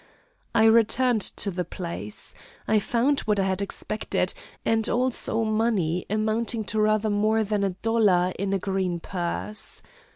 I returned to the place. I found what I had expected, and also money amounting to rather more than a dollar in a green purse.